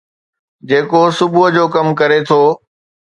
جيڪو صبح جو ڪم ڪري ٿو